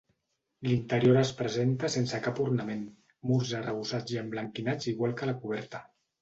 L'interior es presenta sense cap ornament, murs arrebossats i emblanquinats igual que la coberta.